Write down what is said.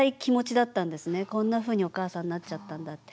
こんなふうにお母さんなっちゃったんだって。